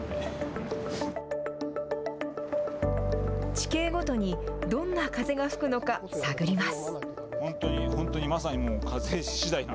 地形ごとにどんな風が吹くのか探ります。